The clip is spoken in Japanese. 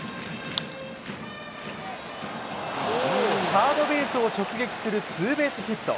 サードベースを直撃するツーベースヒット。